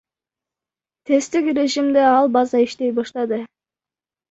Тесттик режимде ал база иштей баштады.